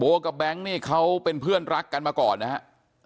กับแบงค์นี่เขาเป็นเพื่อนรักกันมาก่อนนะครับ